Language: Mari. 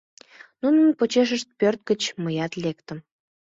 Нунын почешышт пӧрт гыч мыят лектым.